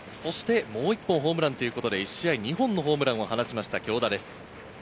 もう一本ホームランということで１試合２本のホームランを放ちました。